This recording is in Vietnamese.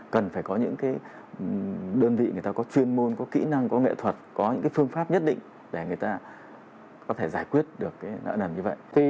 cần phải có những đơn vị người ta có chuyên môn có kỹ năng có nghệ thuật có những cái phương pháp nhất định để người ta có thể giải quyết được cái nợ nần như vậy